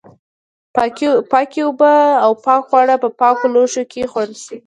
پاکې اوبه او پاک خواړه په پاکو لوښو کې وخوړل شي.